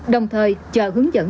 đồng thời chờ hướng dẫn